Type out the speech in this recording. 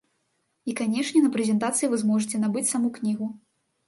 І, канешне, на прэзентацыі вы зможаце набыць саму кнігу.